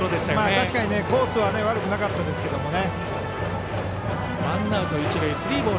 確かにコースは悪くなかったですけどね。